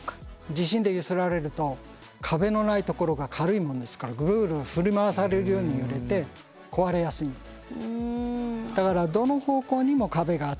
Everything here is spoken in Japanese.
地震で揺すられると壁のないところが軽いもんですからグルグル振り回されるように揺れて壊れやすいんです。